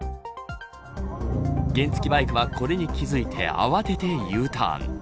原付バイクはこれに気付いて慌ててＵターン。